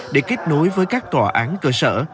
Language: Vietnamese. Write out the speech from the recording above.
để kết nối với các tòa án cơ sở